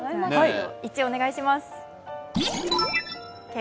１、お願いします。